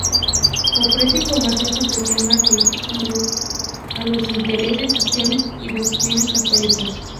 Ofrece información sobre temas relativos a los intereses, acciones y doctrina católicos.